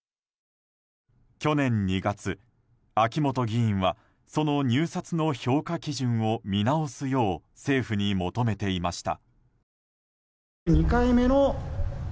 去年２月、秋本議員はその入札の評価基準を見直すよう政府に求めていました。